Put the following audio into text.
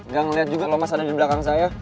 gak ngeliat juga loh mas ada di belakang saya